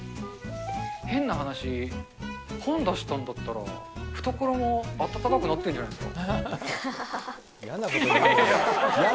変な話、本出したんだったら、懐もあたたかくなってるんじゃないですか？